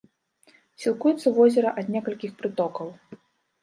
Сілкуецца возера ад некалькіх прытокаў.